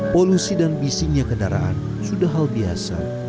polusi dan bisingnya kendaraan sudah hal biasa